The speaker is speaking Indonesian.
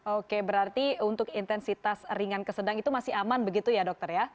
oke berarti untuk intensitas ringan ke sedang itu masih aman begitu ya dokter ya